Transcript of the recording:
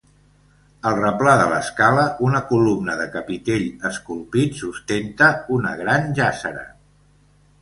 Al replà de l'escala una columna de capitell esculpit sustenta una gran jàssera.